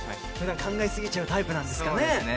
考え過ぎちゃうタイプなんですね。